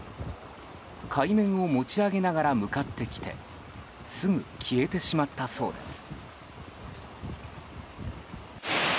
海面を持ち上げながら向かってきてすぐ消えてしまったそうです。